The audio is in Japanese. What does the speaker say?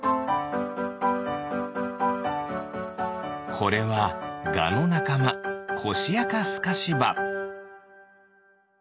これはガのなかまコシアカスカシバ。